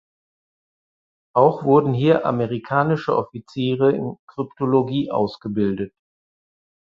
Auch wurden hier amerikanische Offiziere in Kryptologie ausgebildet.